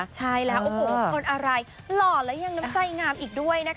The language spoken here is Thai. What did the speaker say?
ใช่แล้วโอโกคุณอารัยหล่อและยังใจงามอีกด้วยนะคะ